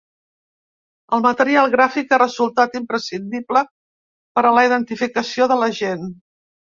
El material gràfic ha resultat imprescindible per a la identificació de l’agent.